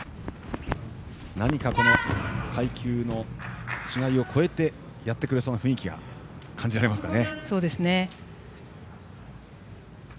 何か、階級の違いを超えてやってくれそうな雰囲気が感じられますね。